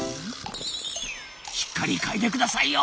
しっかり嗅いでくださいよ！